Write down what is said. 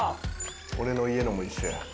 俺の家のも一緒や。